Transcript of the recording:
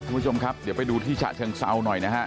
คุณผู้ชมครับเดี๋ยวไปดูที่ฉะเชิงเซาหน่อยนะฮะ